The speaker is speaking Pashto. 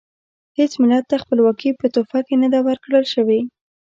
هیڅ ملت ته خپلواکي په تحفه کې نه ده ورکړل شوې.